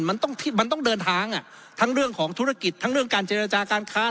มันต้องมันต้องเดินทางอ่ะทั้งเรื่องของธุรกิจทั้งเรื่องการเจรจาการค้า